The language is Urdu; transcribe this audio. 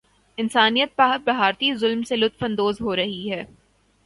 انسانیت پر بھارتی ظلم سے لطف اندوز ہورہی ہے